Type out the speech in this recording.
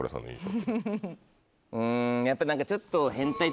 うんやっぱ何かちょっと。